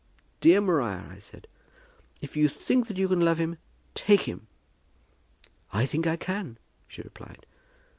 'Dear Maria,' I said, 'if you think that you can love him, take him!' 'I think I can,' she replied.